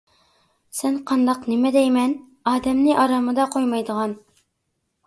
-سەن قانداق نېمە دەيمەن، ئادەمنى ئارامىدا قويمايدىغان.